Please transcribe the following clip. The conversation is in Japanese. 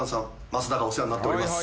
増田がお世話になっております。